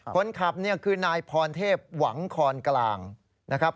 คนขับเนี่ยคือนายพรเทพหวังคอนกลางนะครับ